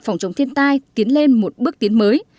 phòng chống thiên tai tiến lên một bước tiến mới